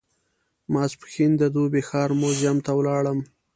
ماپښین د دوبۍ ښار موزیم ته ولاړم.